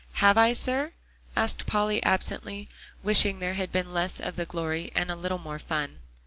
"Have I, sir?" asked Polly absently, wishing there had been less of the glory, and a little more fun.